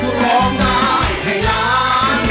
ผมร้องได้ให้ร้อง